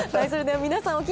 それでは皆さん